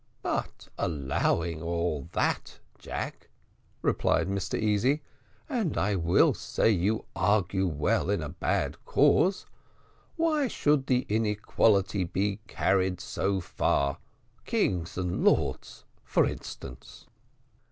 "But, allowing all that, Jack," replied Mr Easy, "and I will say you argue well in a bad cause, why should the inequality be carried so far? king and lords, for instance."